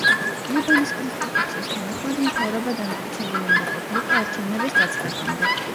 ლიბანის კონსტიტუციის თანახმად მთავრობა დამტკიცებული უნდა ყოფილიყო არჩევნების დაწყებამდე.